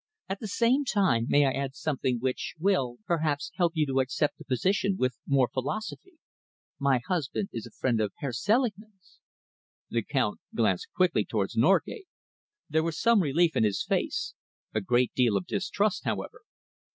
At the same time, may I add something which will, perhaps, help you to accept the position with more philosophy? My husband is a friend of Herr Selingman's." The Count glanced quickly towards Norgate. There was some relief in his face a great deal of distrust, however.